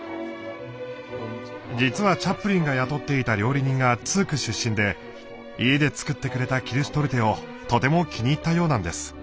実はチャップリンが雇っていた料理人がツーク出身で家で作ってくれたキルシュトルテをとても気に入ったようなんです。